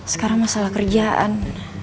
sekarang masalah kerjaan